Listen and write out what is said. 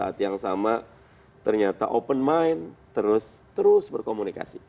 ini yang pertama ternyata open mind terus berkomunikasi